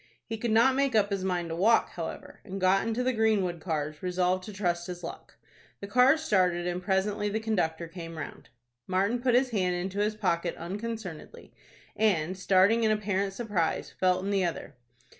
He could not make up his mind to walk, however, and got into the Greenwood cars, resolved to trust his luck. The cars started, and presently the conductor came round. Martin put his hand into his pocket unconcernedly, and, starting in apparent surprise, felt in the other.